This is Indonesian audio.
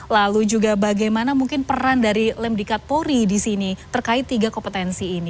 lalu juga bagaimana mungkin peran dari lemdikat polri di sini terkait tiga kompetensi ini